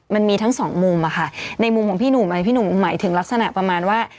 มันมีทั้งสองมุมอะค่ะในมุมของพี่หนุ่มไหมพี่หนุ่มหมายถึงลักษณะประมาณว่า